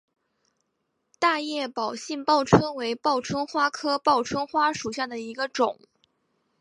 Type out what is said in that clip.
大叶宝兴报春为报春花科报春花属下的一个种。